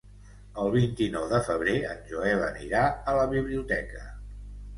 El vint-i-nou de febrer en Joel anirà a la biblioteca.